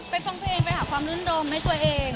ฟังเพลงไปหาความรุ่นโรมให้ตัวเอง